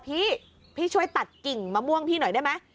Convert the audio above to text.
พี่พี่ช่วยตัดกิ่งมะม่วงพี่หน่อยได้ไหม